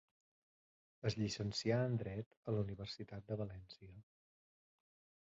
Es llicencià en dret a la Universitat de València.